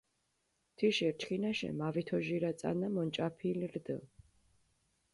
თიშ ერჩქინაშე მავითოჟირა წანა მონჭაფილ რდჷ.